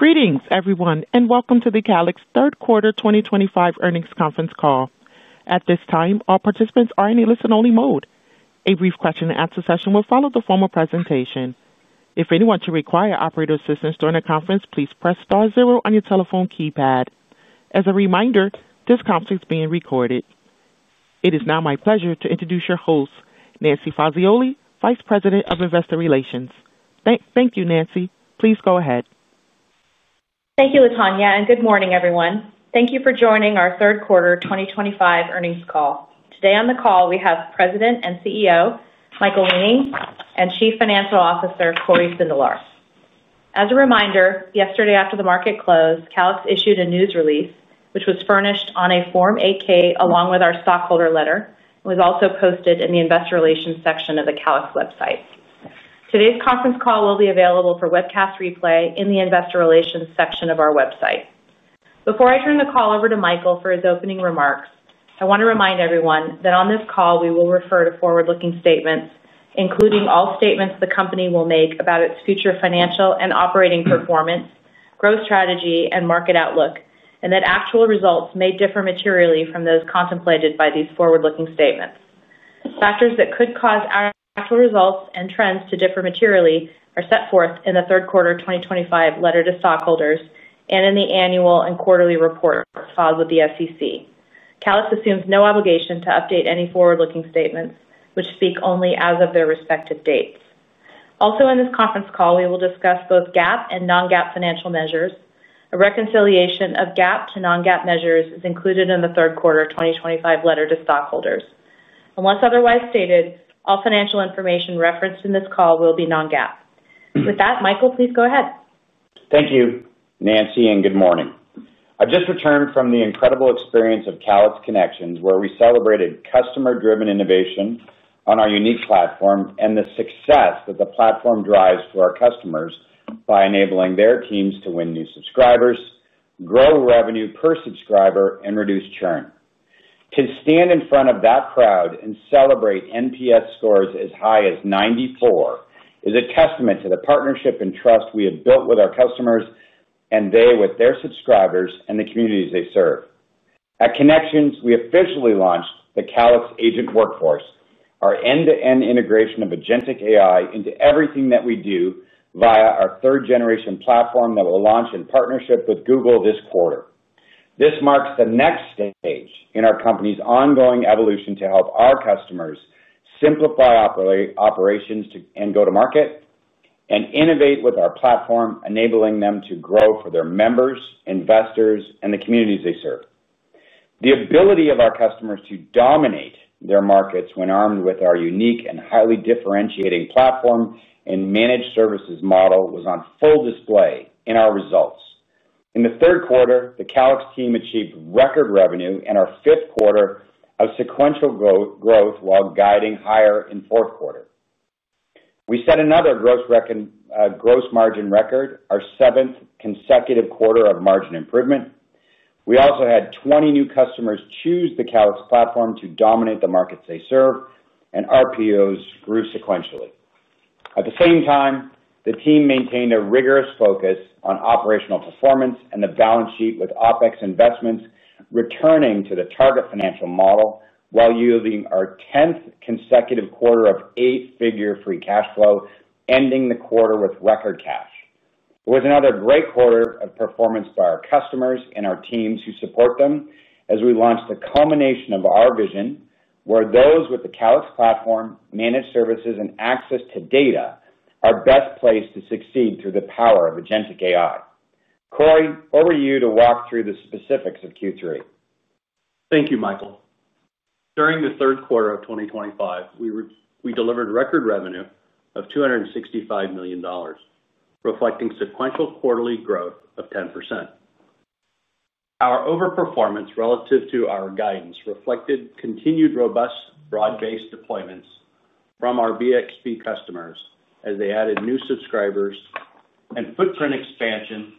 Greetings everyone and welcome to the Calix third quarter 2025 earnings conference call. At this time, all participants are in a listen-only mode. A brief question-and-answer session will follow the formal presentation. If anyone should require operator assistance during the conference, please press star zero on your telephone keypad. As a reminder, this conference is being recorded. It is now my pleasure to introduce your host, Nancy Fazioli, Vice President of Investor Relations. Thank you, Nancy. Please go ahead. Thank you, Latonya, and good morning, everyone. Thank you for joining our third quarter 2025 earnings call today. On the call we have President and CEO Michael Weening and Chief Financial Officer Cory Sindelar. As a reminder, yesterday after the market closed, Calix issued a news release which was furnished on a Form 8-K along with our stockholder letter. It was also posted in the Investor Relations section of the Calix website. Today's conference call will be available for webcast replay in the Investor Relations section of our website. Before I turn the call over to Michael for his opening remarks, I want to remind everyone that on this call we will refer to forward-looking statements including all statements the company will make about its future financial and operating performance, growth strategy, and market outlook, and that actual results may differ materially from those contemplated by these forward-looking statements. Factors that could cause actual results and trends to differ materially are set forth in the third quarter 2025 letter to stockholders and in the annual and quarterly reports filed with the SEC. Calix assumes no obligation to update any forward-looking statements, which speak only as of their respective dates. Also, in this conference call we will discuss both GAAP and non-GAAP financial measures. A reconciliation of GAAP to non-GAAP measures is included in the third quarter 2025 letter to stockholders. Unless otherwise stated, all financial information referenced in this call will be non-GAAP. With that, Michael, please go ahead. Thank you Nancy and good morning. I just returned from the incredible experience of Calix Connections where we celebrated customer driven innovation on our unique platform, and the success that the platform drives to our customers by enabling their teams to win new subscribers, grow revenue per subscriber, and reduce churn. To stand in front of that crowd and celebrate NPS scores as high as 94 is a testament to the partnership and trust we have built with our customers and they with their subscribers and the communities they serve. At Connections, we officially launched the Calix Agent workforce. Our end to end integration of agentic AI into everything that we do via our third generation platform that will launch in partnership with Google this quarter. This marks the next stage in our company's ongoing evolution to help our customers simplify operations and go to market and innovate with our platform, enabling them to grow for their members, investors, and the communities they serve. The ability of our customers to dominate their markets when armed with our unique and highly differentiating platform and managed services model was on full display and in our results in the third quarter the Calix team achieved record revenue in our fifth quarter of sequential growth while guiding higher in fourth quarter. We set another gross margin record, our seventh consecutive quarter of margin improvement. We also had 20 new customers choose the Calix platform to dominate the markets they serve and RPOs grew sequentially. At the same time, the team maintained a rigorous focus on operational performance and the balance sheet with OpEx investments returning to the target financial model while yielding our tenth consecutive quarter of eight figure free cash flow, ending the quarter with record cash. It was another great quarter of performance by our customers and our teams who support them as we launched a culmination of our vision and where those with the Calix platform, managed services, and access to data are best placed to succeed through the power of agentic AI. Cory, over to you to walk through the specifics of Q3. Thank you, Michael. During the third quarter of 2025, we delivered record revenue of $265 million, reflecting sequential quarterly growth of 10%. Our overperformance relative to our guidance reflected continued robust, broad-based deployments from our BXP customers as they added new subscribers and footprint expansion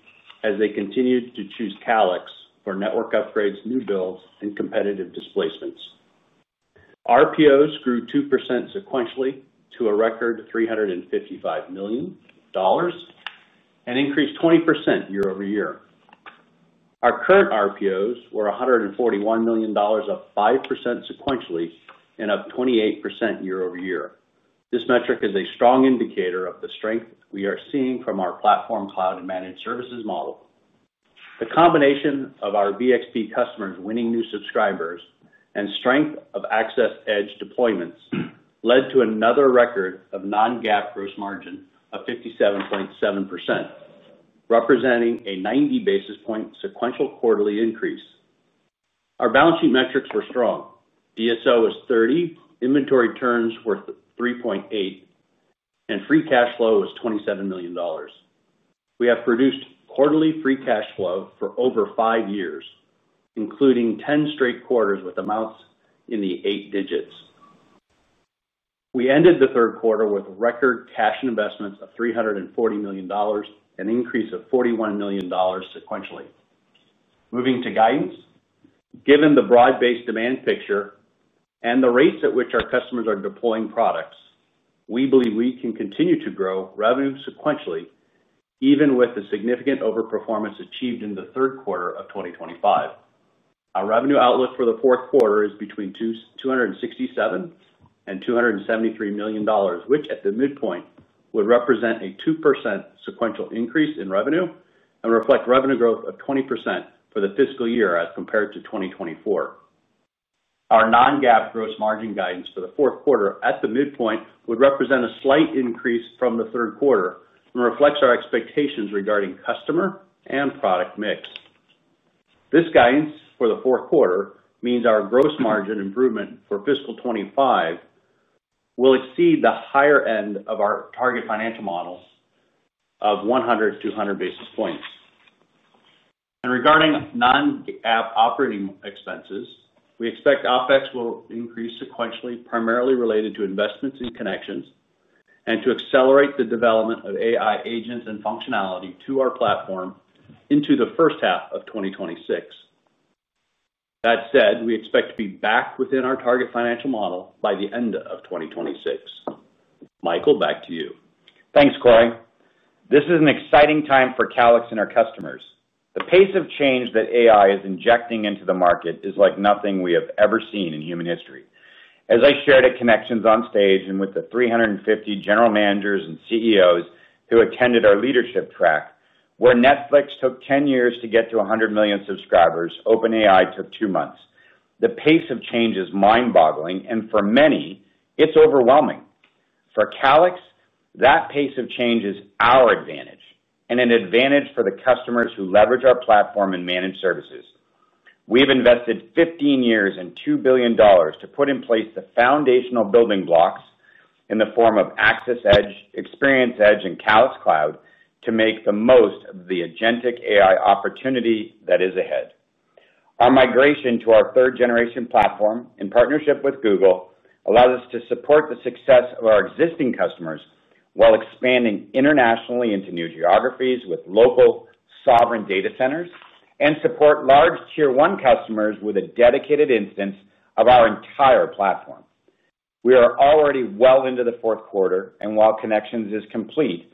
as they continued to choose Calix for network upgrades, new builds, and competitive displacements. RPOs grew 2% sequentially to a record $355 million and increased 20% year-over-year. Our current RPOs were $141 million, up 5% sequentially and up 28% year-over-year. This metric is a strong indicator of the strength we are seeing from our platform, cloud, and managed services model. The combination of our BXP customers winning new subscribers and strength of Access Edge deployments led to another record of non-GAAP gross margin of 57.7%, representing a 90 basis point sequential quarterly increase. Our balance sheet metrics were strong. DSO was 30, inventory turns were 3.8, and free cash flow was $27 million. We have produced quarterly free cash flow for over five years, including 10 straight quarters with amounts in the eight digits. We ended the third quarter with record cash investments of $340 million, an increase of $41 million sequentially. Moving to guidance. Given the broad-based demand picture. The rates at which our customers are deploying products. We believe we can continue to grow revenue sequentially even with the significant over performance achieved in the third quarter of 2025. Our revenue outlook for the fourth quarter is between $267 million and $273 million, which at the midpoint would represent a 2% sequential increase in revenue and reflect revenue growth of 20% for the fiscal year as compared to 2024. Our non-GAAP gross margin guidance for the fourth quarter at the midpoint would represent a slight increase from the third quarter and reflects our expectations regarding customer and product mix. This guidance for the fourth quarter means our gross margin improvement for fiscal 2025 will exceed the higher end of our target financial model of 100-200 basis points. Regarding non-GAAP operating expenses, we expect OpEx will increase sequentially, primarily related to investments in Connections and to accelerate the development of AI agents and functionality to our platform into the first half of 2026. That said, we expect to be back within our target financial model by the end of 2026. Michael, back to you. Thanks Cory. This is an exciting time for Calix and our customers. The pace of change that AI is injecting into the market is like nothing we have ever seen in human history. As I shared at Connections on stage and with the 350 general managers and CEOs who attended our leadership track, where Netflix took 10 years to get to 100 million subscribers, OpenAI took two months. The pace of change is mind boggling and for many it's overwhelming. For Calix, that pace of change is our advantage and an advantage for the customers who leverage our platform and managed services. We've invested 15 years and $2 billion to put in place the foundational building blocks in the form of Access Edge, Experience Edge, and Calix Cloud to make the most of the agentic AI opportunity that is ahead. Our migration to our third generation platform in partnership with Google allows us to support the success of our existing customers while expanding internationally into new geographies with local sovereign data centers and support large Tier 1 customers with a dedicated instance of our entire platform. We are already well into the fourth quarter and while Connections is complete,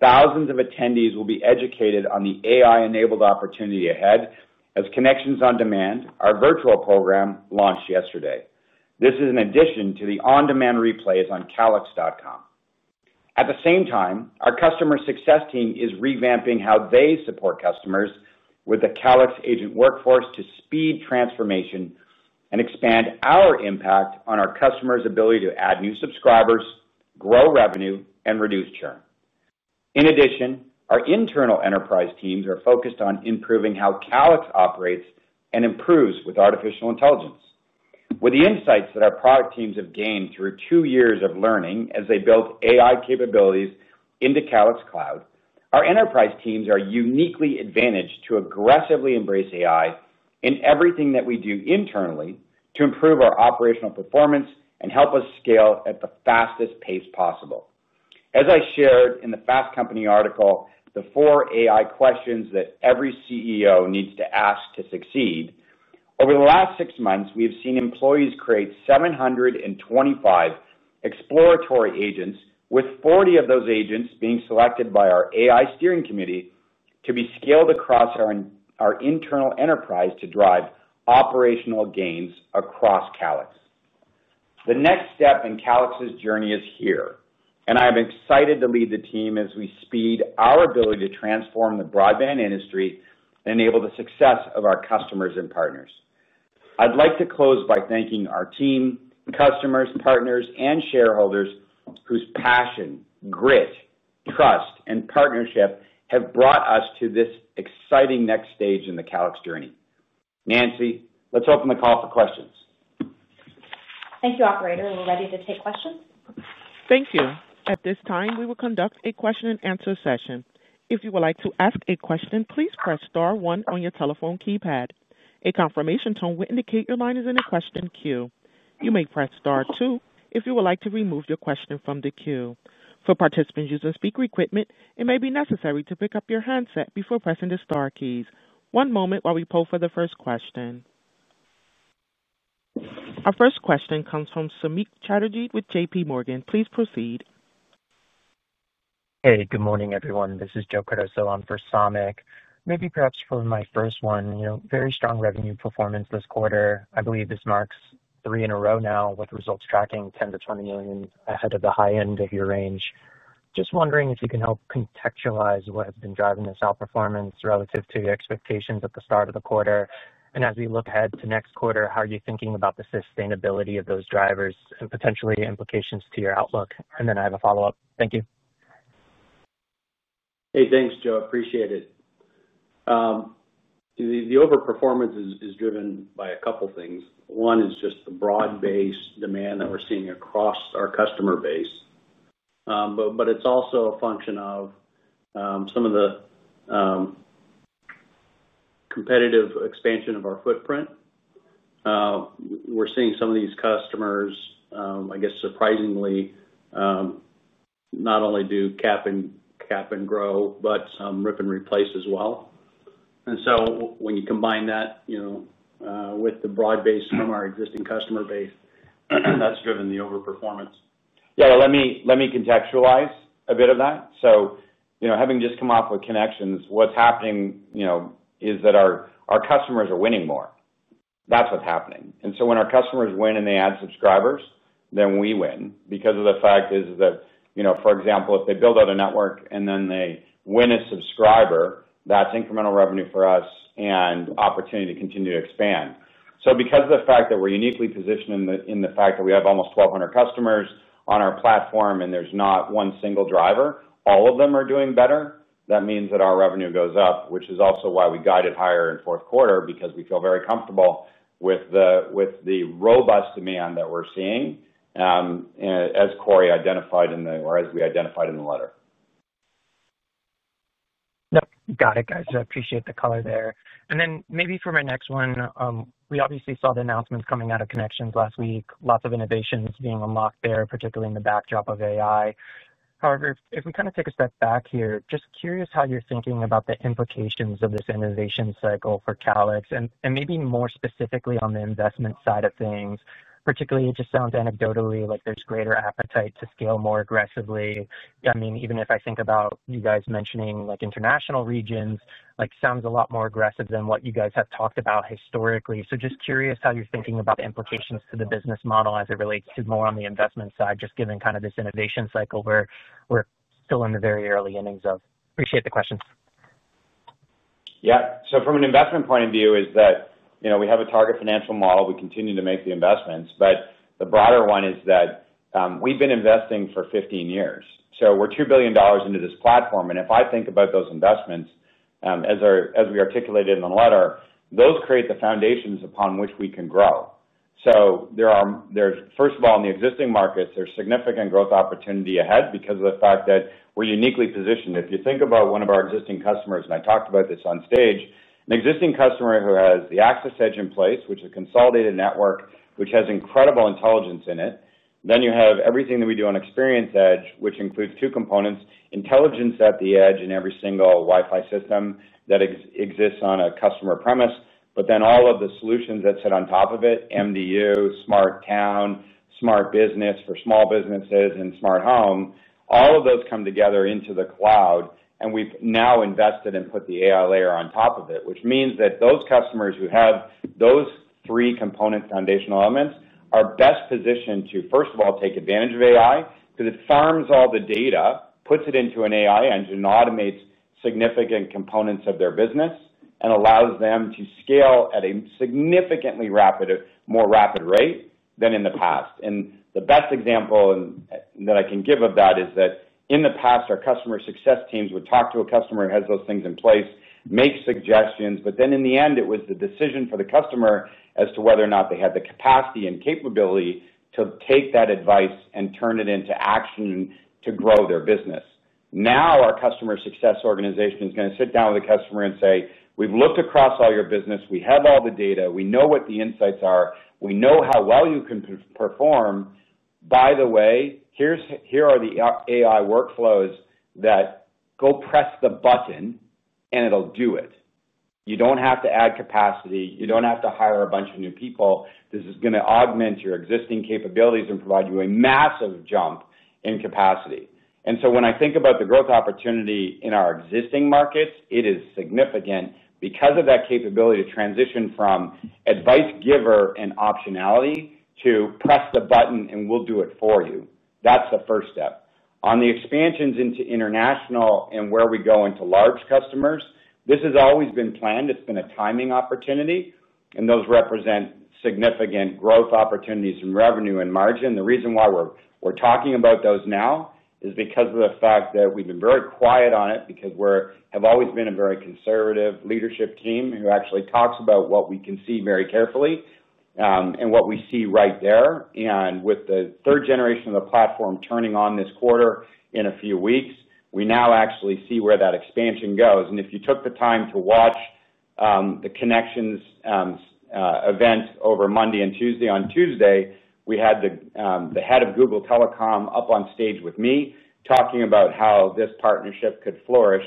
thousands of attendees will be educated on the AI enabled opportunity ahead as Connections On Demand, our virtual program, launched yesterday. This is in addition to the On Demand replays on Calix.com. At the same time, our Customer Success team is revamping how they support customers with the Calix Agent workforce to speed transformation and expand our impact on our customers' ability to add new subscribers, grow revenue, and reduce churn. In addition, our internal enterprise teams are focused on improving how Calix operates and improves with artificial intelligence. With the insights that our product teams have gained through two years of learning as they built AI capabilities into Calix Cloud, our enterprise teams are uniquely advantaged to aggressively embrace AI in everything that we do internally to improve our operational performance and help us scale at the fastest pace possible. As I shared in the Fast Company article, the four AI questions that every CEO needs to ask to succeed, over the last six months we have seen employees create 725 exploratory agents, with 40 of those agents being selected by our AI steering committee to be scaled across our internal enterprise to drive operational gains across Calix. The next step in Calix's journey is here and I am excited to lead the team as we speed our ability to transform the broadband industry and enable the success of our customers and partners. I'd like to close by thanking our team, customers, partners, and shareholders whose passion, grit, trust, and partnership have brought us to this exciting next stage in the Calix journey. Nancy, let's open the call for questions. Thank you, operator. We're ready to take questions. Thank you. At this time we will conduct a question-and-answer session. If you would like to ask a question, please press star one on your telephone keypad. A confirmation tone will indicate your line is in a question queue. You may press star two if you would like to remove your question from the queue. For participants using speaker equipment, it may be necessary to pick up your handset before pressing the star keys. One moment while we poll for the first question. Our first question comes from Samik Chatterjee with JPMorgan. Please proceed. Hey, good morning everyone. This is Joe Cardoso. I'm for Samik, maybe perhaps for my first one. Very strong revenue performance this quarter. I believe this marks three in a row now with results tracking $10 million-$20 million ahead of the high end of your range. Just wondering if you can help contextualize what has been driving this outperformance relative to your expectations at the start of the quarter. As we look ahead to next quarter, how are you thinking about the sustainability of those drivers and potentially implications to your outlook? I have a follow up. Thank you. Hey, thanks, Joe. Appreciate it. The over performance is driven by a couple things. One is just the broad-based demand that we're seeing across our customer base, but it's also a function of some of the competitive expansion of our footprint. We're seeing some of these customers I guess surprisingly not only do cap and grow, but some rip and replace as well. When you combine that with the broad base from our existing customer base, that's driven the over performance. Let me contextualize a bit of that. Having just come off with Connections, what's happening is that our customers are winning more. That's what's happening. When our customers win and they add subscribers, then we win because of the fact that, for example, if they build out a network and then they win a subscriber, that's incremental revenue for us and opportunity to continue to expand. Because of the fact that we're uniquely positioned in the fact that we have almost 1,200 customers on our platform and there's not one single driver, all of them are doing better, that means that our revenue goes up, which is also why we guided higher in fourth quarter, because we feel very comfortable with the robust demand that we're seeing, as Cory identified in the, or as we identified in the letter. Got it, guys. I appreciate the color there. Maybe for my next one, we obviously saw the announcements coming out of Connections last week. Lots of innovations being unlocked there, particularly in the backdrop of AI. However, if we kind of take a step back here, just curious how you're thinking about the implications of this innovation cycle for Calix and maybe more specifically on the investment side of things, particularly, it just sounds anecdotally like there's greater appetite to scale more aggressively. I mean, even if I think about you guys mentioning international regions, it sounds a lot more aggressive than what you guys have talked about historically. Just curious how you're thinking about the implications to the business model as it relates to more on the investment side, just given kind of this innovation cycle where we're still in the very early innings of. Appreciate the questions. Yeah, so from an investment point of view, we have a target financial model, we continue to make the investments, but the broader one is that we've been investing for 15 years, so we're $2 billion into this platform. If I think about those investments as we articulated in the letter, those create the foundations upon which we can grow. There are, first of all, in the existing markets, significant growth opportunity ahead because of the fact that we're uniquely positioned. If you think about one of our existing customers, and I talked about this on stage, an existing customer who has the Access Edge in place, which is a consolidated network which has incredible intelligence in it, then you have everything that we do on Experience Edge, which includes two components, intelligence at the edge in every single Wi-Fi system that exists on a customer premise. All of the solutions that sit on top of it, MDU, Smart Town, SmartBiz for small businesses and Smart Home, all of those come together into the cloud. We've now invested and put the AI layer on top of it, which means that those customers who have those three component foundational elements are best positioned to first of all take advantage of AI because it farms all the data, puts it into an AI engine, automates significant components of their business and allows them to scale at a significantly more rapid rate than in the past. The best example that I can give of that is that in the past our customer success teams would talk to a customer who has those things in place, make suggestions. In the end it was the decision for the customer as to whether or not they had the capacity and capability to take that advice and turn it into action to grow their business. Now our customer success organization is going to sit down with the customer and say we've looked across all your business, we have all the data, we know what the insights are, we know how well you can perform. By the way, here are the AI workflows that go press the button and it'll do it. You don't have to add capacity, you don't have to hire a bunch of new people. This is going to augment your existing capabilities and provide you a massive jump in capacity. When I think about the growth opportunity in our existing markets, it is significant because of that capability to transition from advice giver and optionality to press the button and we'll do it for you. That's the first step on the expansions into international and where we go into large customers. This has always been planned, it's been a timing opportunity and those represent significant growth opportunities in revenue and margin. The reason why we're talking about those now is because we've always been a very conservative leadership team who actually talks about what we can see very carefully and what we see right there. With the third generation of the platform turning on this quarter in a few weeks, we now actually see where that expansion goes. If you took the time to watch the connections event over Monday and Tuesday, on Tuesday we had the head of Google Telecom up on stage with me talking about how this partnership could flourish.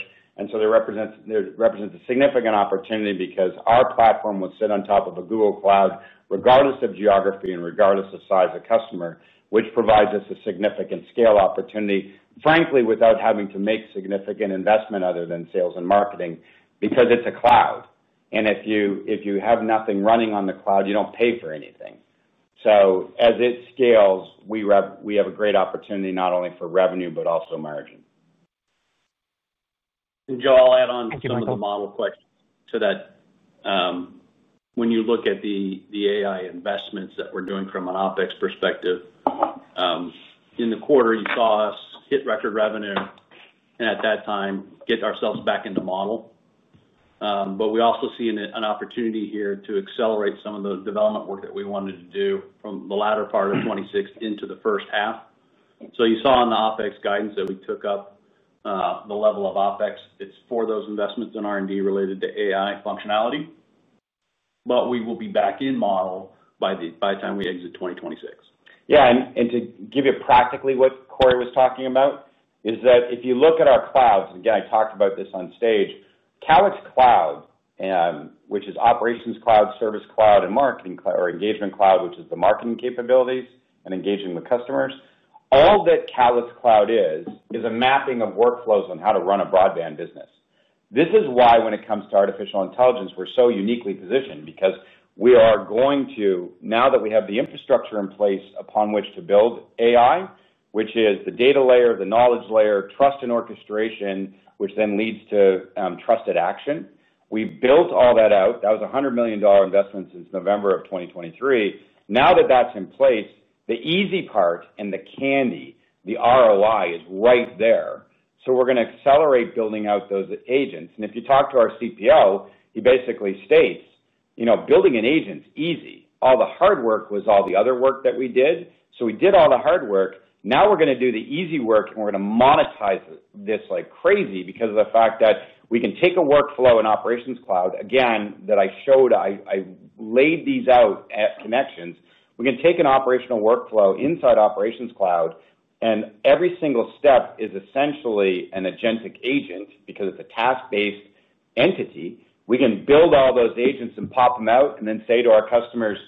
There represents a significant opportunity because our platform will sit on top of a Google Cloud regardless of geography and regardless of size of customer, which provides us a significant scale opportunity, frankly, without having to make significant investment other than sales and marketing, because it's a cloud and if you have nothing running on the cloud, you don't pay for anything. As it scales, we have a great opportunity not only for revenue, but also margin. I'll add on some of the model questions to that. When you look at the AI investments that we're doing from an OpEx perspective in the quarter, you saw us hit record revenue and at that time get ourselves back into model. We also see an opportunity here to accelerate some of the development work that we wanted to do from the latter part of 2026 into the first half. You saw in the OpEx guidance that we took up the level of OpEx. It's for those investments in R&D related to AI functionality. We will be back in model by the time we exit 2026. Yeah, and to give you practically what Cory was talking about is that if you look at our clouds again, I talked about this on stage. Calix Cloud, which is Operations Cloud, Service Cloud and Marketing or Engagement Cloud, which is the marketing capabilities and engaging the customers. All that Calix Cloud is, is a mapping of workflows on how to run a broadband business. This is why when it comes to artificial intelligence, we're so uniquely positioned because we are going to, now that we have the infrastructure in place upon which to build AI, which is the data layer, the knowledge layer, trust and orchestration, which then leads to trusted action. We built all that out. That was a $100 million investment since November of 2023. Now that that's in place, the easy part and the candy, the ROI is right there. We're going to accelerate building out those agents. If you talk to our CPO, he basically states, you know, building an agent is easy. All the hard work was all the other work that we did. We did all the hard work. Now we're going to do the easy work and we're going to monetize this like crazy because of the fact that we can take a workflow in Operations Cloud again that I showed. I laid these out at Connections. We can take an operational workflow inside Operations Cloud and every single step is essentially an agentic agent because it's a task-based entity. We can build all those agents and pop them out and then say to our customers,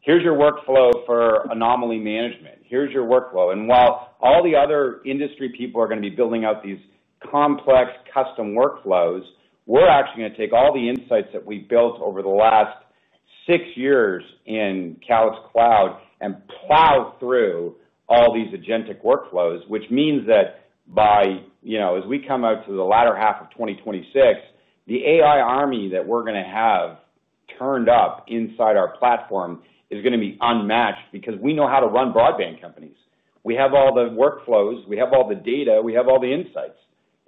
here's your workflow for anomaly management, here's your workflow. While all the other industry people are going to be building out these complex custom workflows, we're actually going to take all the insights that we built over the last six years in Calix Cloud and plow through all these agentic workflows. Which means that by, you know, as we come out to the latter half of 2026, the AI army that we're going to have turned up inside our platform is going to be unmatched because we know how to run broadband companies. We have all the workflows, we have all the data, we have all the insights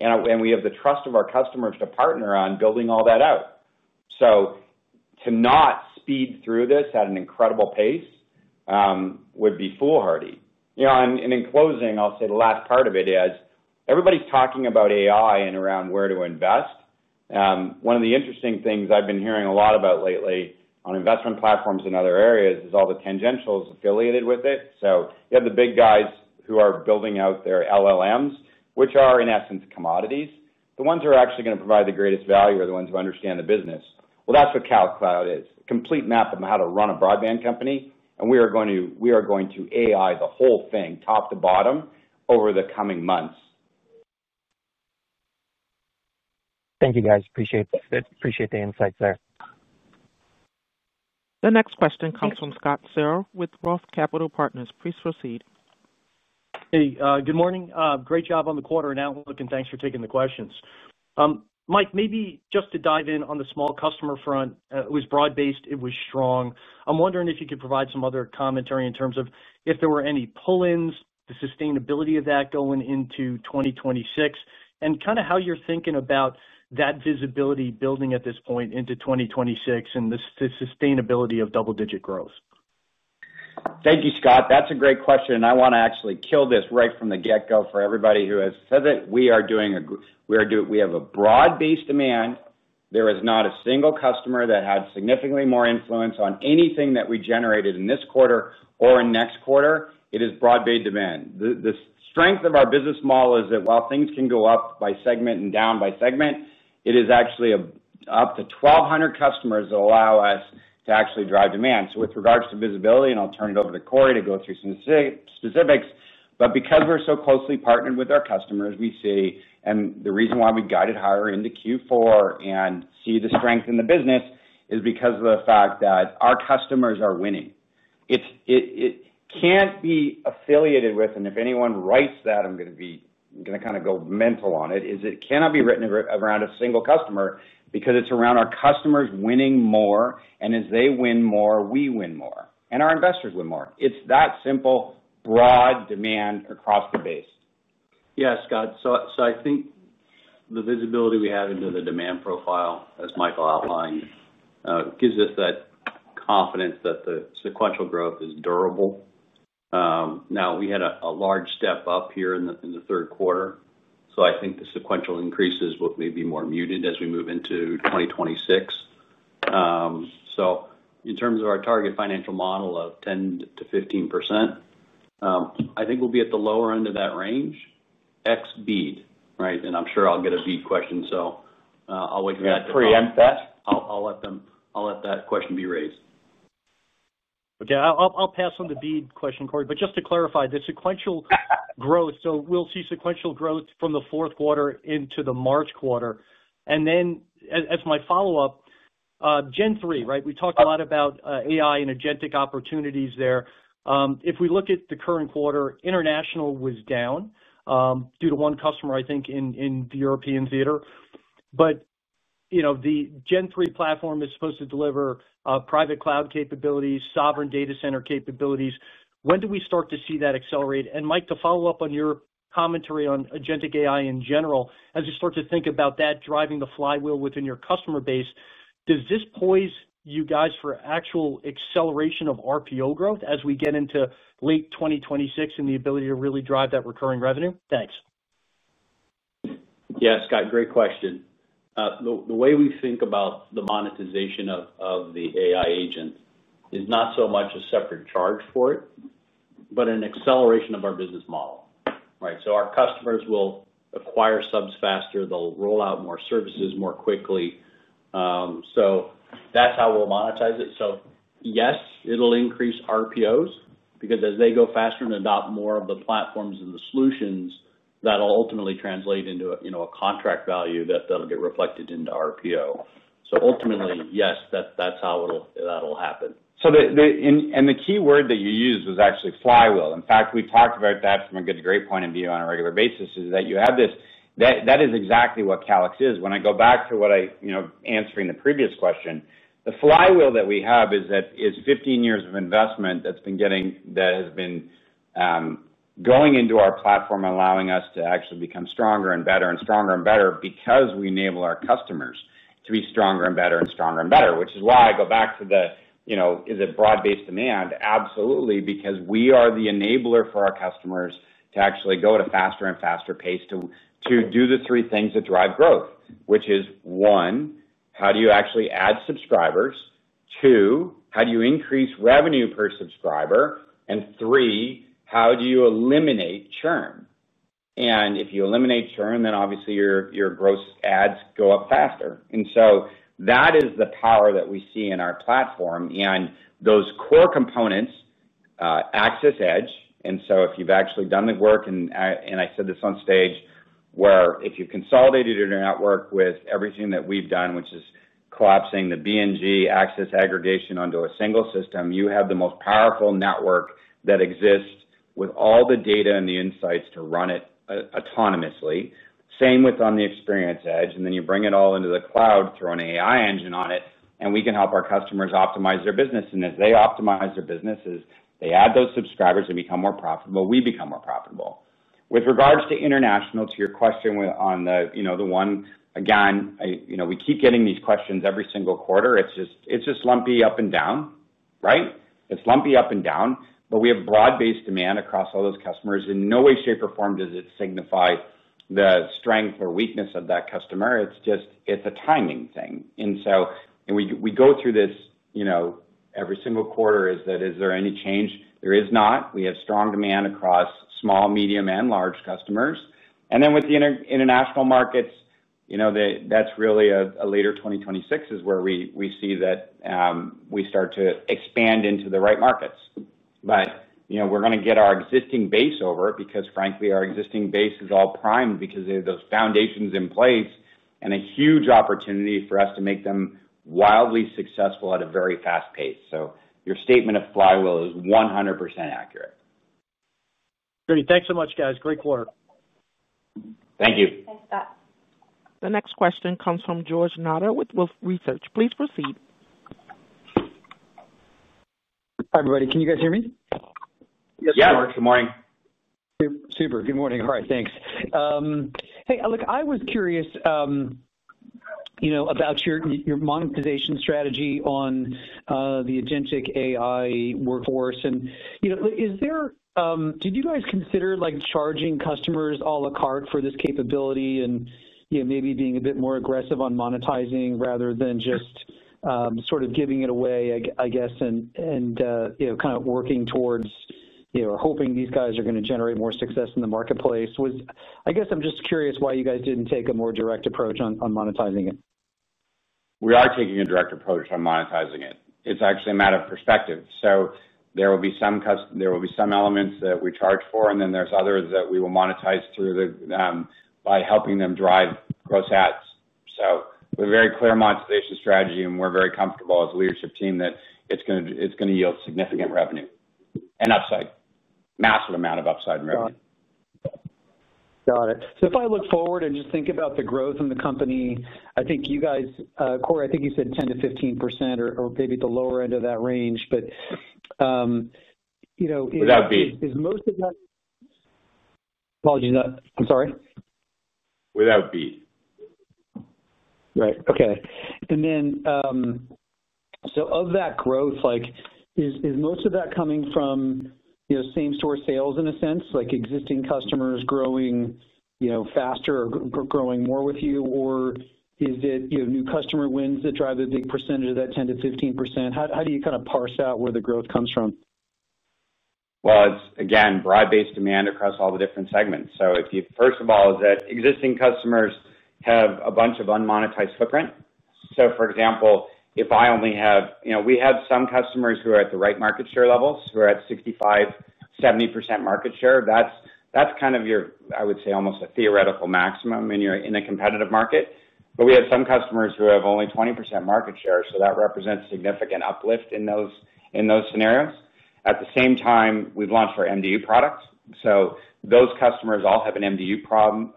and we have the trust of our customers to partner on building all that out. To not speed through this at an incredible pace would be foolhardy. In closing, I'll say the last part of it is everybody's talking about AI and around where to invest. One of the interesting things I've been hearing a lot about lately on investment platforms in other areas is all the tangentials affiliated with it. You have the big guys who are building out their LLMs, which are in essence commodities. The ones who are actually going to provide the greatest value are the ones who understand the business well. That's what Calix Cloud is, a complete map of how to run a broadband company. We are going to AI the whole thing top to bottom over the coming months. Thank you, guys. Appreciate the insights. The next question comes from Scott Searle with Roth Capital Partners. Please proceed. Good morning. Great job on the quarter and outlook, and thanks for taking the questions. Mike, maybe just to dive in on the small customer front, it was broad based, it was strong. I'm wondering if you could provide some other commentary in terms of if there were any pull ins, the sustainability of that going into 2026, and kind of how you're thinking about that visibility building at this point into 2026 and the sustainability of double dig. Thank you, Scott. That's a great question, and I want to actually kill this right from the get-go. For everybody who has said that we are doing, we have a broad-based demand. There is not a single customer that had significantly more influence on anything that we generated in this quarter or next quarter. It is broad-based demand. The strength of our business model is that while things can go up by segment and down by segment, it is actually up to 1,200 customers that allow us to actually drive demand. With regards to visibility, I'll turn it over to Cory to go through some specifics, but because we're so closely partnered with our customers, we see, and the reason why we guided higher into Q4 and see the strength in the business is because of the fact that our customers are winning. It can't be affiliated with, and if anyone writes that, I'm going to kind of go mental on it. It cannot be written around a single customer. It is around our customers winning more, and as they win more, we win more, and our investors win more. It's that simple. Broad demand across the base. Yes, Scott. I think the visibility we have into the demand profile, as Michael outlined, gives us that confidence that the sequential growth is durable. We had a large step up here in the third quarter, so I think the sequential increases may be more muted as we move into 2026. In terms of our target financial model of 10 to 15%, I think we'll be at the lower end of that range. Ex bid. Right. I'm sure I'll get a BEAD question. I'll wait for that to preempt that. I'll let that question be raised. Okay, I'll pass on the BEAD question, Cory. Just to clarify, the sequential growth, we'll see sequential growth from the fourth quarter into the quarter. As my follow up, Gen3. Right. We talked a lot about AI and agentic opportunities there. If we look at the current quarter, International was down due to one customer, I think in the European theater. The Gen3 platform is supposed to deliver private cloud capabilities, sovereign data center capabilities. When do we start to see that accelerate? Mike, to follow up on your commentary on agentic AI in general, as you start to think about that driving the flywheel within your customer base, does this poise you guys for actual acceleration of RPO growth as we get into late 2026 and the ability to really drive that recurring revenue. Thanks. Yes, Scott, great question. The way we think about the monetization of the AI agent is not so much a separate charge for it, but an acceleration of our business model. Right.Our customers will acquire subs faster, they'll roll out more services more quickly. That's how we'll monetize it. Yes, it'll increase RPOs because as they go faster and adopt more of the platforms and the solutions, that'll ultimately translate into a contract value that'll get reflected into RPO. Ultimately, yes, that's how that'll happen. The key word that you use was actually flywheel. In fact, we talked about that from a good great point of view on a regular basis. That is exactly what Calix is. When I go back to what I, you know, answering the previous question, the flywheel that we have is 15 years of investment that has been going into our platform, allowing us to actually become stronger and better and stronger and better because we enable our customers to be stronger and better and stronger and better. Which is why I go back to the, you know, is it broad based demand? Absolutely. We are the enabler for our customers to actually go at a faster and faster pace to do the three things that drive growth, which is one, how do you actually add subscribers? Two, how do you increase revenue per subscriber? And three, how do you eliminate churn? If you eliminate churn, then obviously your gross adds go up faster. That is the power that we see in our platform and those core components, Access Edge. If you've actually done the work, and I said this on stage, where if you consolidated your network with everything that we've done, which is collapsing the BNG access aggregation onto a single system, you have the most powerful network that exists with all the data and the insights to run it autonomously. Same with on the Experience Edge. Then you bring it all into the cloud, throw an AI engine on it and we can help our customers optimize their business. As they optimize their businesses, they add those subscribers and become more profitable, we become more profitable. With regards to international, to your question, you know, we keep getting these questions every single quarter. It's just lumpy up and down, right? It's lumpy up and down. We have broad based demand across all those customers. In no way, shape or form does it signify the strength or weakness of that customer. It's just a timing thing. We go through this every single quarter. Is there any change? There is not. We have strong demand across small, medium and large customers. With the international markets, that's really a later 2026 is where we see that we start to expand into the right markets. We're going to get our existing base over it because frankly, our existing base is all primed because they have those foundations in place and a huge opportunity for us to make them wildly successful at a very fast pace. Your statement of flywheel is 100% accurate. Great. Thanks so much, guys. Great quarter. Thank you. The next question comes from George Nader with Wolfe Research. Please proceed. Hi everybody, can you guys hear me? Yes, good morning. Super. Good morning. All right, thanks. Hey, look, I was curious about your monetization strategy on the agentic AI workforce. Did you guys consider charging customers a la carte for this capability and maybe being a bit more aggressive on monetizing rather than just sort of giving it away? I guess I'm just curious why you guys didn't take a more direct approach on monetizing it. We are taking a direct approach on monetizing it. It's actually a matter of perspective. There will be some elements that we charge for, and then there are others that we will monetize through by helping them drive gross adds. We have a very clear monetization strategy, and we're very comfortable as a leadership team that it's going to yield significant revenue and upside. Massive amount of upside. Got it. If I look forward and just think about the growth in the company, I think you guys, Cory, I think you said 10%-15% or maybe at the lower end of that range, but you know, is most of that. Apologies, I'm sorry, right, okay. Of that growth, is most of that coming from, you know, same store sales in a sense, like existing customers growing faster? Growing more with you or is if you have new customer wins that drive a big percentage of that 10%-15%, how do you kind of parse out? Where the growth comes from? It's again, broad based demand across all the different segments. First of all, existing customers have a bunch of unmonetized footprint. For example, if I only have, you know, we have some customers who are at the right market share levels who are at 65%, 70% market share. That's kind of your, I would say, almost a theoretical maximum, and you're in a competitive market. We have some customers who have only 20% market share, so that represents significant uplift in those scenarios. At the same time, we've launched our MDU products. Those customers all have an MDU problem,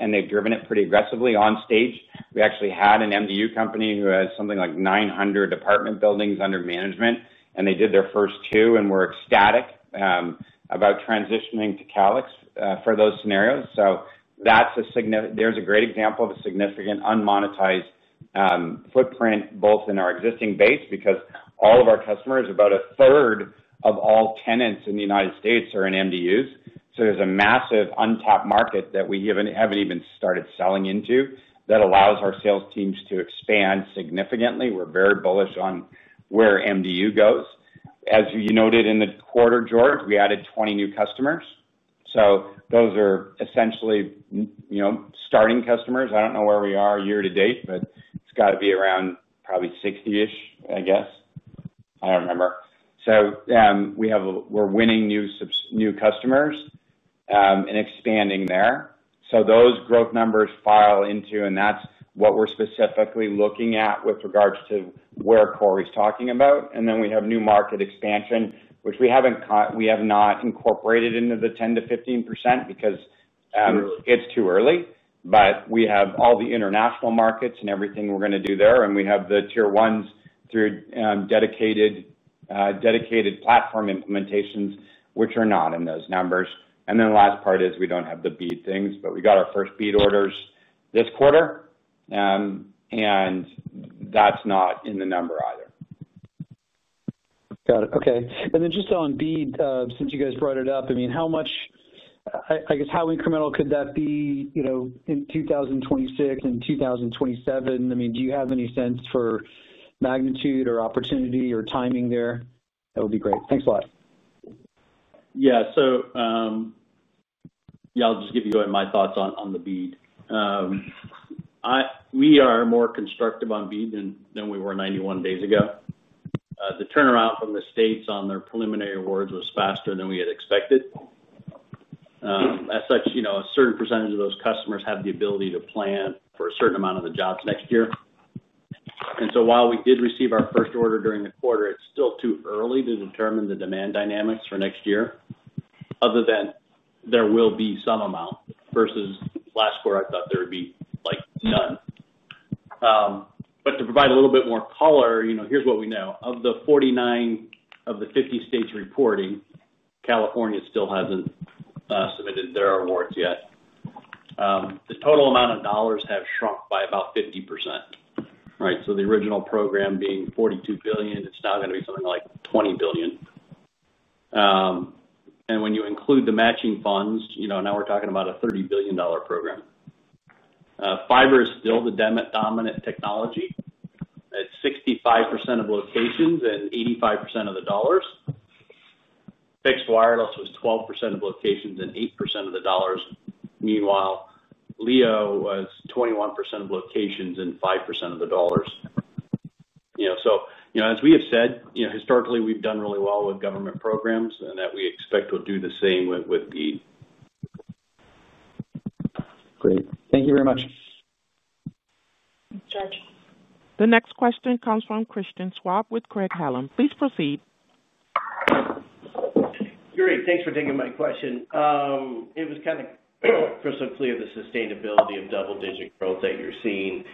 and they've driven it pretty aggressively on stage. We actually had an MDU company who has something like 900 apartment buildings under management, and they did their first two and were ecstatic about transitioning to Calix for those scenarios. That's a sign. There's a great example of a significant unmonetized footprint both in our existing base because all of our customers, about a third of all tenants in the United States, are in MDUs. There's a massive untapped market that we haven't even started selling into that allows our sales teams to expand significantly. We're very bullish on where MDU goes. As you noted in the quarter, George, we added 20 new customers. Those are essentially starting customers. I don't know where we are year to date, but it's got to be around probably 60ish, I guess I remember. We're winning new customers and expanding there. Those growth numbers file into, and that's what we're specifically looking at with regards to where Cory's talking about. We have new market expansion, which we haven't caught. We have not incorporated into the 10%-15% because it's too early, but we have all the international markets and everything we're going to do there. We have the Tier 1 customers through dedicated platform implementations, which are not in those numbers. The last part is we don't have the BEAD things, but we got our first BEAD orders this quarter, and that's not in the number either. Got it. Okay. On BEAD, since you guys brought it up, how much? How incremental could that be in 2026 and 2027? Do you have any sense for magnitude or opportunity or timing there? That would be great. Thanks a lot. I'll just give you my thoughts on the BEAD. We are more constructive on BEAD than we were 91 days ago. The turnaround from the states on their preliminary awards was faster than we had expected. As such, a certain percentage of those customers have the ability to plan for a certain amount of the jobs next year. While we did receive our first order during the quarter, it's still too early to determine the demand dynamics for next year. Other than there will be some amount versus last quarter, I thought there would be like none. To provide a little bit more. Here's what we know. Of the 49 of the 50 states reporting, California still hasn't submitted their awards yet. The total amount of dollars has shrunk by about 50%. Right. The original program being $42 billion, it's now going to be something like $20 billion. When you include the matching funds, now we're talking about a $30 billion program. Fiber is still the dominant technology at 65% of locations and 85% of the dollars. Fixed wireless was 12% of locations and 8% of the dollars. Meanwhile, LEO was 21% of locations and 5% of the dollars. As we have said, historically we've done really well with government programs and we expect to do the same with BEAD. Great, thank you very much. The next question comes from Christian Schwab with Craig-Hallum. Please proceed. Great, thanks for taking my question. It was kind of crystal clear sustainability of double digit growth that you're seeing.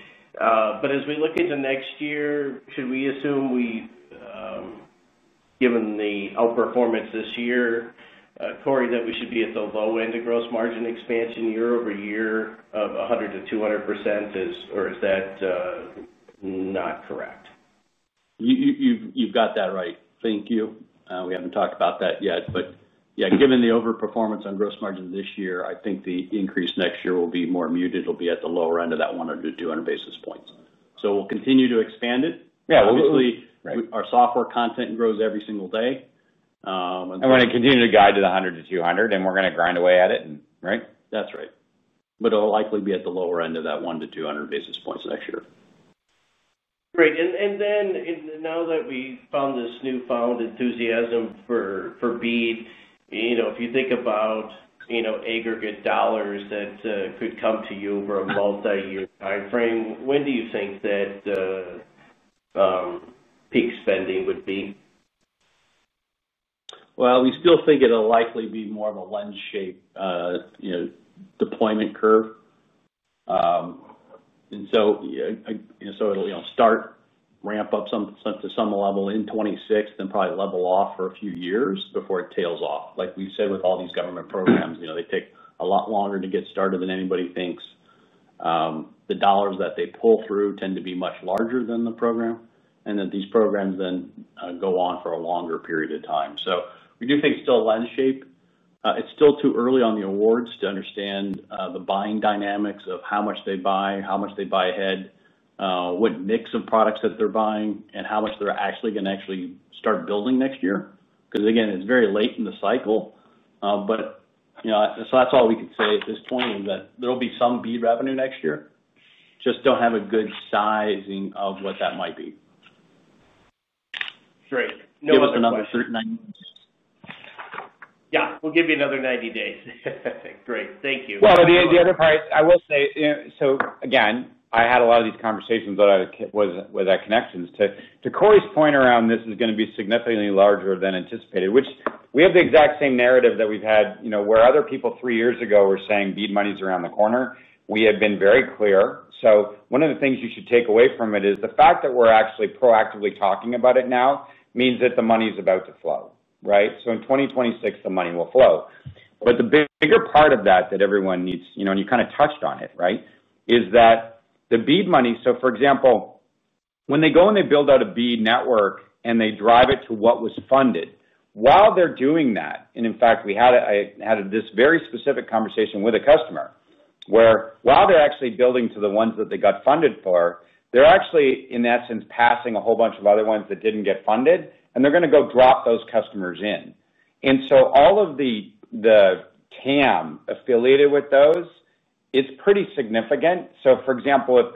As we look into next year, should we assume we, given the outperformance this year, Cory, that we should be at the low end of gross margin expansion year-over-year of 100%-200% or is that not correct? You've got that right. Thank you. We haven't talked about that yet, but yeah, given the over performance on gross margin this year, I think increase next year will be more muted. It'll be at the lower end of that 100-200 basis points. We'll continue to expand it. Obviously our software content grows every single day. I want to continue to guide to the $100-$200. We're going to grind away at it, right? That's right. It will likely be at the lower end of that 100-200 basis points next year. Great. Now that we found this newfound enthusiasm for BEAD, if you think about aggregate dollars that could come to you over a multi-year time frame, when do you think that peak spending would be? We still think it'll likely be more of a lens shape deployment curve, and it'll start ramp up to some level in 2026, then probably level off for a few years before it tails off. Like we said with all these government programs, they take a lot longer to get started than anybody thinks. The dollars that they pull through tend to be much larger than the program, and these programs then go on for a longer period of time. We do think it's still a lens shape. It's still too early on the awards to understand the buying dynamics of how much they buy, how much they buy ahead, what mix of products that they're buying, and how much they're actually going to actually start building next year because again, it's very late in the cycle. That's all we can say at this point, that there'll be some BEAD revenue next year. Just don't have a good sizing of what that might be. Great, give us another 90 days. Yeah, we'll give you another 90 days. Great, thank you. The other part I will say, I had a lot of these conversations with that connection to Cory's point around this is going to be significantly larger than anticipated, which we have the exact same narrative that we've had, you know, where other people three years ago were saying BEAD money's around the corner. We have been very clear. One of the things you should take away from it is the fact that we're actually proactively talking about it now means that the money's about to flow, right? In 2026 the money will flow. The bigger part of that that everyone needs, you know, and you kind of touched on it, is that the BEAD money, for example, when they go and they build out a BEAD network and they drive it to what was funded while they're doing that. In fact, I had this very specific conversation with a customer where while they're actually building to the ones that they got funded for, they're actually in essence passing a whole bunch of other ones that didn't get funded and they're going to go drop those customers in. All of the TAM affiliated with those is pretty significant. For example, if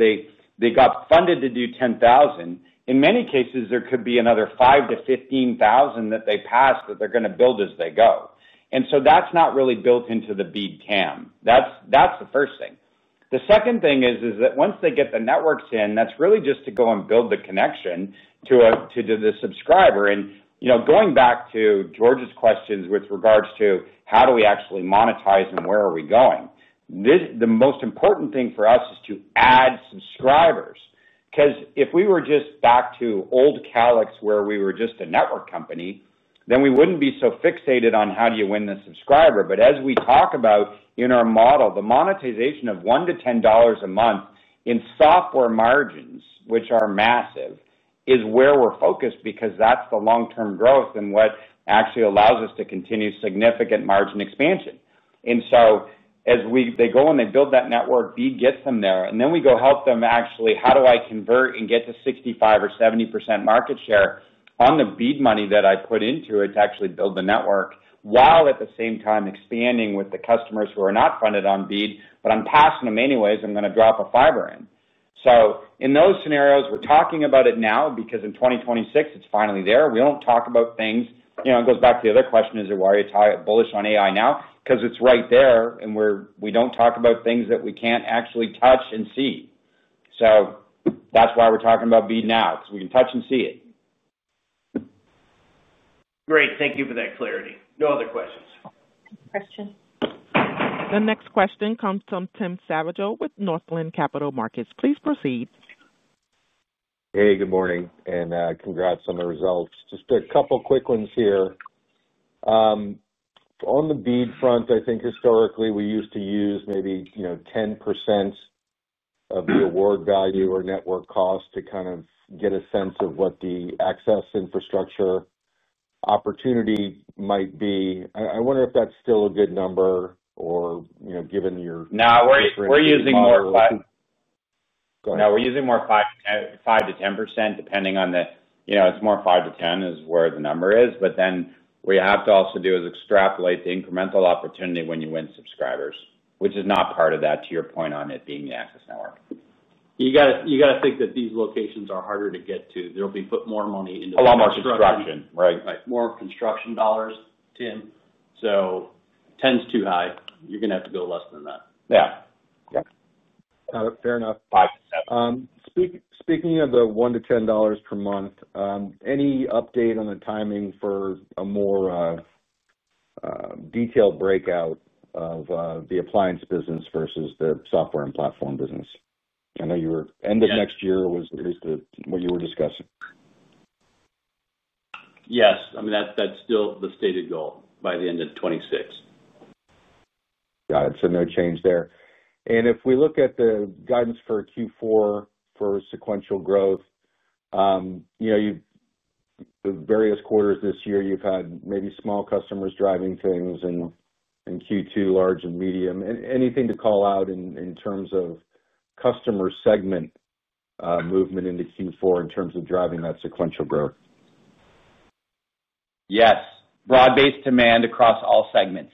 they got funded to do 10,000, in many cases there could be another 5,000-15,000 that they passed that they're going to build as they go. That's not really built into the BEAD TAM. That's the first thing. The second thing is that once they get the networks in, that's really just to go and build the connection to the subscriber. Going back to George's questions with regards to how do we actually monetize and where are we going, the most important thing for us is to add subscribers because if we were just back to old Calix where we were just a network company, then we wouldn't be so fixated on how do you win the subscriber. As we talk about in our model, the monetization of $1-$10 a month in software margins, which are massive, is where we're focused because that's the long term growth and what actually allows us to continue significant margin expansion. As they go and they build that network, BEAD gets them there and then we go help them. Actually, how do I convert and get to 65% or 70% market share on the BEAD money that I put into it to actually build the network while at the same time expanding with the customers who are not funded on BEAD, but I'm passing them anyways. I'm going to drop a fiber in. In those scenarios we're talking about it now because in 2026, it's finally there. We don't talk about things, you know, it goes back to the other question: why are you bullish on AI now? Because it's right there and we don't talk about things that we can't actually touch and see. That's why we're talking about it now, because we can touch and see it. Great. Thank you for that clarity. No other questions. The next question comes from Tim Savageaux with Northland Capital Markets. Please proceed. Hey, good morning and congrats on the results. Just a couple quick ones here. On the BEAD front, I think historically we used to use maybe 10% of the award value or network cost to kind of get a sense of what the access infrastructure opportunity might be. I wonder if that's still a good number or, you know, given your. No, we're using more now. We're using more, 5%-10% depending on the, you know, it's more. 5%-10% is where the number is. We have to also do is extrapolate the incremental opportunity when you win subscribers, which is not part of that. To your point on it being the. Access network, you gotta think that these locations are harder to get to. They'll be put more money into a lot more construction. Right, right. More construction dollars, Tim. 10's too high. You are going to have to go less than that. Yeah, yep. Fair enough. Speaking of the $1-$10 per month, any update on the timing for a more detailed breakout of the appliance business versus the software and platform business? I know your end of next year was at least what you were discussing. Yes, I mean that's still the stated goal by the end of 2026. Got it. No change there. If we look at the guidance for Q4 for sequential growth, various quarters this year you've had maybe small customers driving things in Q2, large and medium. Anything to call out in terms of customer segment movement into Q4 in terms of driving that sequential growth? Yes. Broad-based demand across all segments.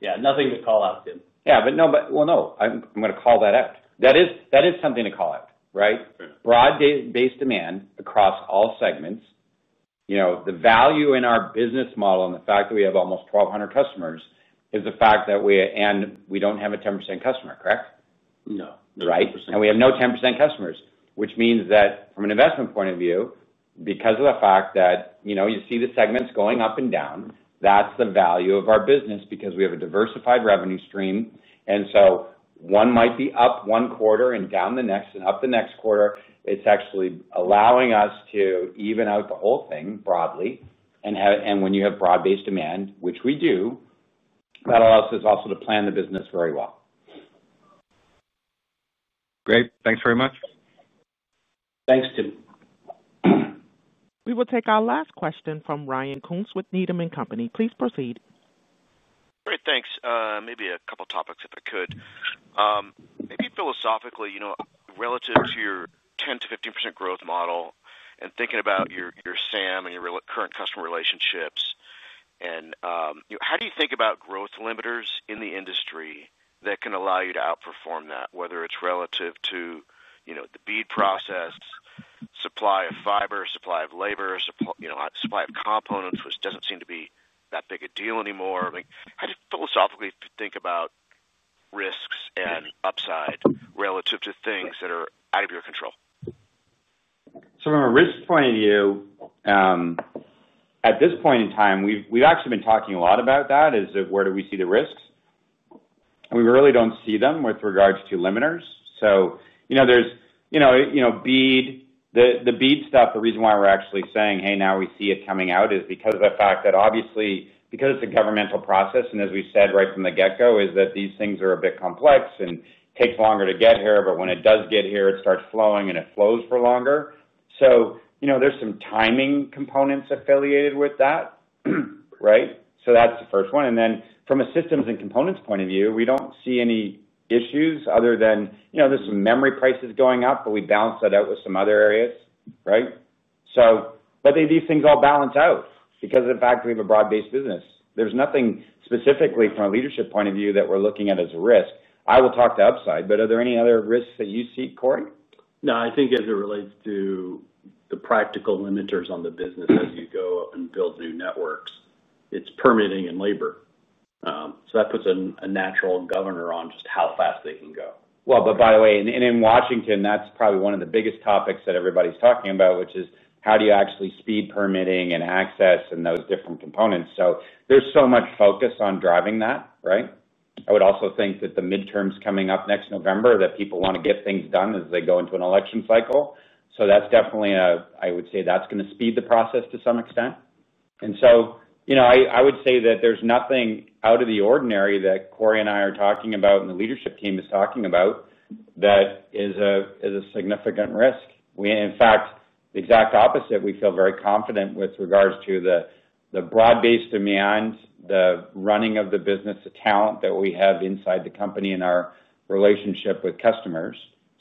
Yeah, nothing to call out, Tim. No, I'm going to call that out. That is something to call out. Right. Broad-based demand across all segments. You know, the value in our business model and the fact that we have almost 1,200 customers is the fact that we don't have a 10% customer, correct? No. Right. We have no 10% customers, which means that from an investment point of view, because of the fact that, you know, you see the segments going up and down, that's the value of our business because we have a diversified revenue stream. One might be up one quarter and down the next and up the next quarter, it's actually allowing us to even out the whole thing broadly. When you have broad based demand, which we do, that allows us also to plan the business very well. Great, thanks very much. Thanks, Tim. We will take our last question from Ryan Koontz with Needham & Company. Please proceed. Great, thanks. Maybe a couple topics, if I could. Maybe philosophically, you know, relative to your 10%-15% growth model and thinking about your SAM and your current customer relationships, how do you think about growth limiters in the industry that can allow you to outperform that, whether it's relative to, you know, the BEAD process, supply of fiber, supply of labor, supply of components, which doesn't seem to be that big a deal anymore? How do you philosophically think about risks and upside relative to things that are out of your control? From a risk point of view, at this point in time we've actually been talking a lot about that, where do we see the risks? We really don't see them with regards to limiters. There's BEAD, the BEAD stuff. The reason why we're actually saying, hey, now we see it coming out is because of the fact that obviously, because it's a governmental process, and as we said right from the get-go, these things are a bit complex and take longer to get here, but when it does get here, it starts flowing and it flows for longer. There's some timing components affiliated with that. That's the first one. From a systems and components point of view, we don't see any issues other than there's some memory prices going up, but we balance that out with some other areas. These things all balance out because of the fact we have a broad-based business. There's nothing specifically from a leadership point of view that we're looking at as a risk. I will talk to upside, but are there any other risks that you see, Cory? No, I think as it relates to the practical limiters on the business as you go and build new networks, it's permitting and labor. That puts a natural governor on just how fast they can go. By the way, in Washington, that's probably one of the biggest topics that everybody's talking about, which is how do you actually speed permitting and access and those different components. There's so much focus on driving that. I would also think that the midterms coming up next November, that people want to get things done as they go into an election cycle. That's definitely, I would say, going to speed the process to some extent. I would say that there's nothing out of the ordinary that Cory and I are talking about and the leadership team is talking about that is a significant risk. In fact, the exact opposite. We feel very confident with regards to the broad-based demand, the running of the business, the talent that we have inside the company, and our relationship with customers.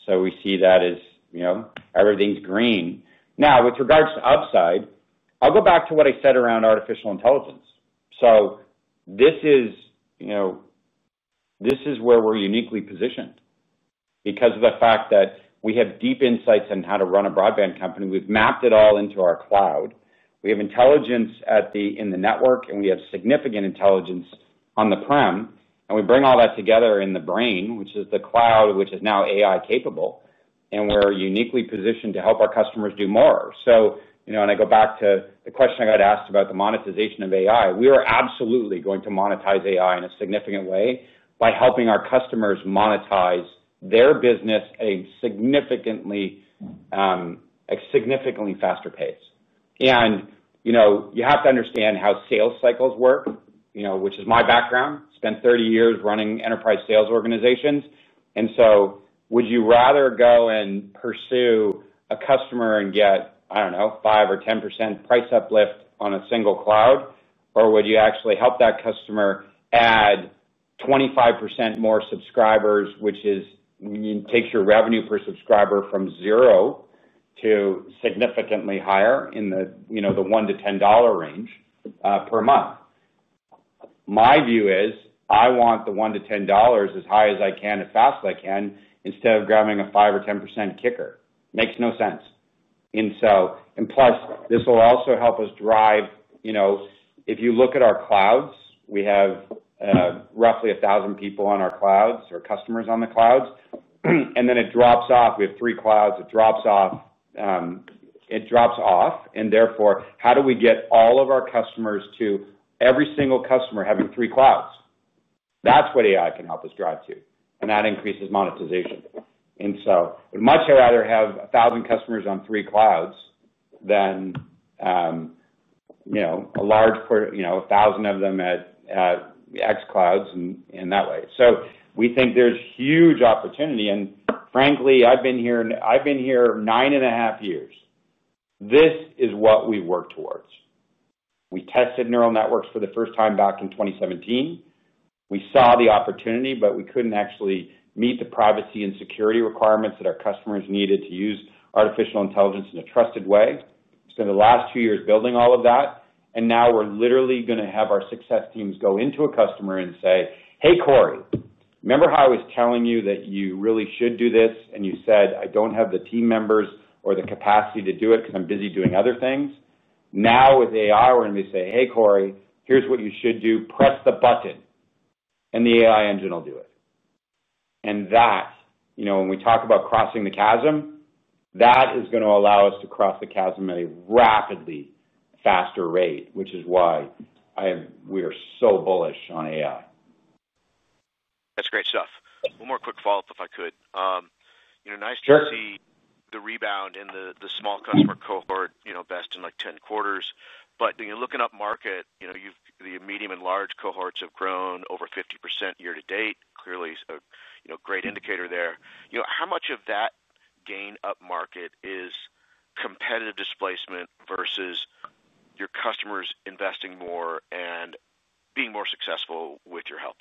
We see that as everything's green. Now, with regards to upside, I'll go back to what I said around artificial intelligence. This is where we're uniquely positioned because of the fact that we have deep insights on how to run a broadband company. We've mapped it all into our cloud. We have intelligence in the network and we have significant intelligence on the prem, and we bring all that together in the brain, which is the cloud, which is now AI capable, and we're uniquely positioned to help our customers do more. I go back to the question I got asked about the monetization of AI. We are absolutely going to monetize AI in a significant way by helping our customers monetize their business at a significantly faster pace. You have to understand how sales cycles work, which is my background, spent 30 years running Enterprise sales organizations. Would you rather go and pursue a customer and get, I don't know, 5% or 10% price uplift on a single cloud, or would you actually help that customer add 25% more subscribers, which takes your revenue per subscriber from $0 to significantly higher in the $1-$10 range per month? My view is I want the $1-$10 as high as I can, as fast as I can, instead of grabbing a 5% or 10% kicker. Makes no sense. Plus, this will also help us drive, if you look at our clouds, we have roughly 1,000 people on our clouds or customers on the clouds, and then it drops off. We have three clouds. It drops off, it drops off. Therefore, how do we get all of our customers to every single customer having three clouds? That's what AI can help us drive to. That increases monetization. I would much rather have 1,000 customers on three clouds than, you know, a large port, you know, a thousand of them at xclouds in that way. We think there's huge opportunity. Frankly, I've been here 9.5 years. This is what we work towards. We tested neural networks for the first time back in 2017. We saw the opportunity, but we couldn't actually meet the privacy and security requirements that our customers needed to use artificial intelligence in a trusted way. We spent the last two years building all of that, and now we're literally going to have our success teams go into a customer and say, hey Cory, remember how I was telling you that you really should do this? You said I don't have the team members or the capacity to do it because I'm busy doing other things. Now with AI, we're going to be saying, hey Cory, here's what you should do. Press the button and the AI engine will do it. When we talk about crossing the chasm, that is going to allow us to cross the chasm at a rapidly faster rate, which is why we are so bullish on AI. That's great stuff. One more quick follow-up if I could. Nice to see the rebound in the small customer cohort, best in like 10 quarters. Looking up market, the medium and large cohorts have grown over 50% year to date. Clearly great indicator there. How much of that gain upmarket is competitive displacement versus your customers investing more and being more successful with your help?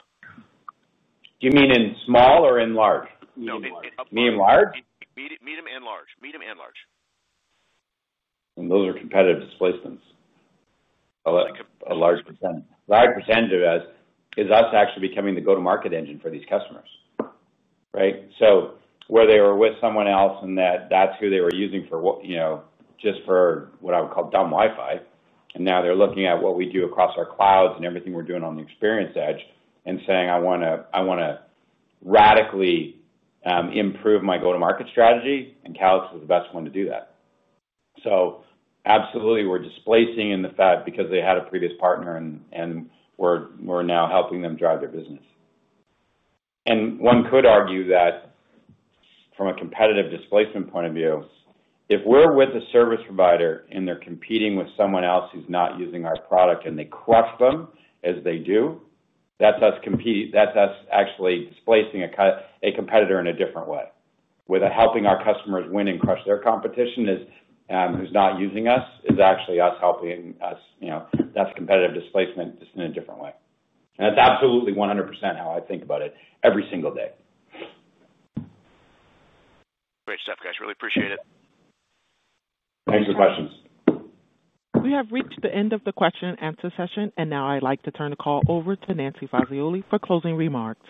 You mean in small or in large? Medium, large, medium and large. Medium and large. Those are competitive displacements. A large percentage is us actually becoming the go to market engine for these customers. Right. Where they were with someone else, that's who they were using for what I would call dumb Wi-Fi. Now they're looking at what we do across our clouds and everything we're doing on the Experience Edge and saying, I want to radically improve my go to market strategy, and Calix is the best one to do that. We are absolutely displacing in the Fed because they had a previous partner and we're now helping them drive their business. One could argue that from a competitive displacement point of view, if we're with a service provider and they're competing with someone else who's not using our product and they crush them as they do, that's us actually displacing a competitor in a different way with helping our customers win and crush their competition. Who's not using us is actually us helping us. That's competitive displacement just in a different way. That's absolutely 100% how I think about it every single day. Great stuff, guys. Really appreciate it. Thanks for the questions. We have reached the end of the question-and-answer session, and now I'd like to turn the call over to Nancy Fazioli for closing remarks.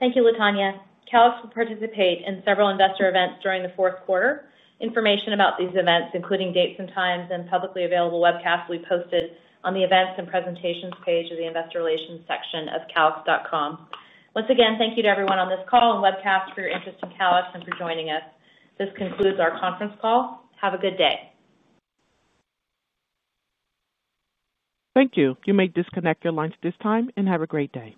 Thank you. Latonya, Calix will participate in several investor events during the fourth quarter. Information about these events, including dates and times and publicly available webcasts, will be posted on the Events and Presentations page of the Investor Relations section of calix.com. Once again, thank you to everyone on this call and webcast for your interest in Calix and for joining us. This concludes our conference call. Have a good day. Thank you. You may disconnect your lines at this time and have a great day.